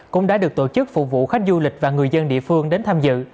cũng đã được tổ chức phục vụ khách du lịch và người dân địa phương đến tham dự